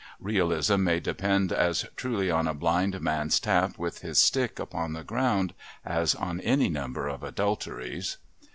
Realism may depend as truly on a blind man's tap with his stick upon the ground as on any number of adulteries.